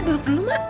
duduk dulu ma